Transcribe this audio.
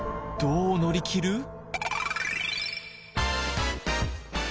どう乗り切る？